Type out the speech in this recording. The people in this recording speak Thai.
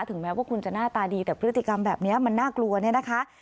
แม้ว่าคุณจะหน้าตาดีแต่พฤติกรรมแบบนี้มันน่ากลัวเนี่ยนะคะ